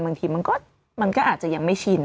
บางทีมันก็อาจจะยังไม่ชิน